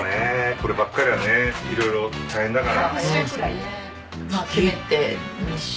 こればっかりはね色々大変だから。